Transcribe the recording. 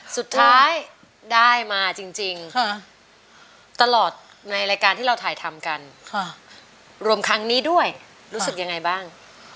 สุดท้ายได้มาจริงตลอดในรายการที่เราถ่ายทำกันรวมครั้งนี้ด้วยรู้สึกยังไงบ้าง